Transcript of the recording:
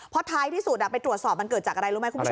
เพราะท้ายที่สุดไปตรวจสอบมันเกิดจากอะไรรู้ไหมคุณผู้ชม